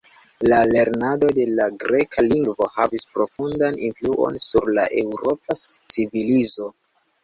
La lernado de la Greka lingvo havis profundan influon sur la Eŭropa civilizo.